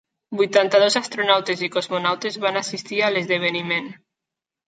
Vuitanta-dos astronautes i cosmonautes van assistir a l'esdeveniment.